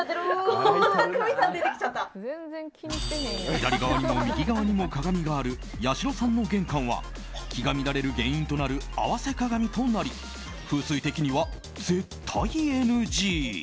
左側にも右側にも鏡があるやしろさんの玄関は気が乱れる原因となる合わせ鏡となり風水的には絶対ＮＧ。